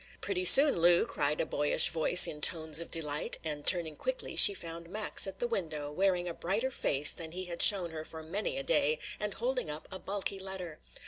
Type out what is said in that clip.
"Pretty soon, Lu," cried a boyish voice in tones of delight, and turning quickly she found Max at the window, wearing a brighter face than he had shown her for many a day, and holding up a bulky letter.